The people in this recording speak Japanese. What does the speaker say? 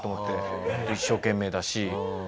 で一生懸命だし。